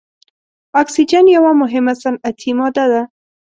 اکسیجن یوه مهمه صنعتي ماده ده.